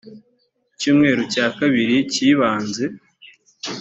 icyumweru cya kabiri kibanze